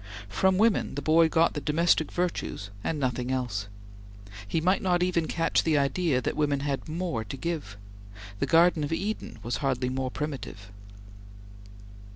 From women the boy got the domestic virtues and nothing else. He might not even catch the idea that women had more to give. The garden of Eden was hardly more primitive.